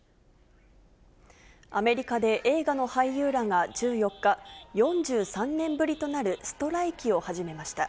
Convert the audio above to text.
アメリカで映画の俳優らが１４日、４３年ぶりとなるストライキを始めました。